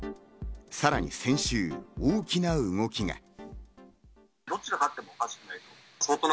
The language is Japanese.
さらに先週、大きな動きが。